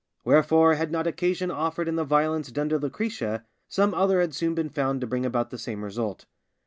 Wherefore, had not occasion offered in the violence done to Lucretia, some other had soon been found to bring about the same result.